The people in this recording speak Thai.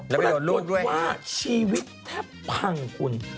แล้วบอกว่าชีวิตแทบพังคุณ